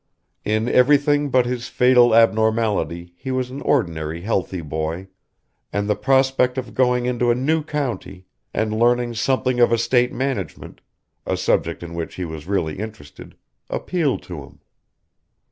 In everything but his fatal abnormality he was an ordinary healthy boy, and the prospect of going into a new county, and learning something of estate management, a subject in which he was really interested, appealed to him.